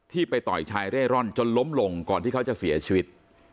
ไปต่อยชายเร่ร่อนจนล้มลงก่อนที่เขาจะเสียชีวิต